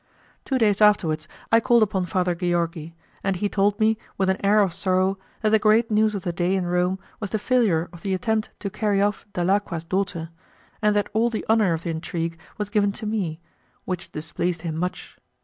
Two days afterwards, I called upon Father Georgi, and he told me, with an air of sorrow, that the great news of the day in Rome was the failure of the attempt to carry off Dalacqua's daughter, and that all the honour of the intrigue was given to me, which displeased him much.